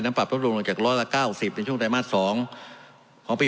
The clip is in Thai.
น้ำปรับรวมลงจาก๑๙๐ในช่วงไทยมาส๒ของปี๖๔